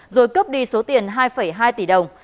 rồi cướp đi số tiền hai hai tỷ đồng